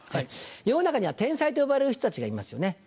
世の中には天才と呼ばれる人たちがいますよね。